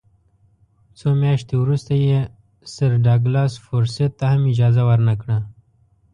څو میاشتې وروسته یې سر ډاګلاس فورسیت ته هم اجازه ورنه کړه.